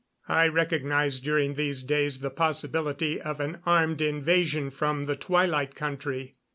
I recognized during these days the possibility of an armed invasion from the Twilight Country.